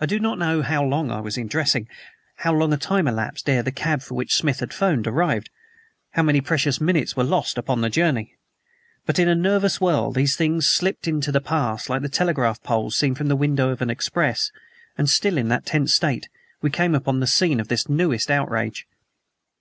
I do not know how long I was in dressing, how long a time elapsed ere the cab for which Smith had 'phoned arrived, how many precious minutes were lost upon the journey; but, in a nervous whirl, these things slipped into the past, like the telegraph poles seen from the window of an express, and, still in that tense state, we came upon the scene of this newest outrage.